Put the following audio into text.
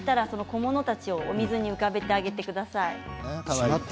小物たちを水に浮かべてあげてください。